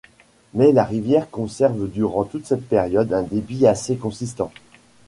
Mais la rivière conserve durant toute cette période un débit assez consistant.